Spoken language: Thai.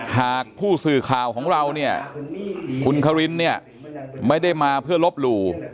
หากผู้สื่อข่าวของเราคุณคลินฮะไม่ได้มาเพื่อรบรู้